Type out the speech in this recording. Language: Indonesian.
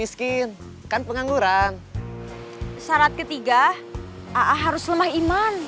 sarat ketiga a'ah harus lemah iman